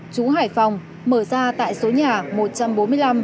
chú hải phòng mở ra tại số nhà